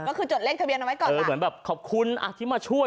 ก็คือจดเลขทะเบียนเอาไว้ก่อนเออเหมือนแบบขอบคุณอ่ะที่มาช่วย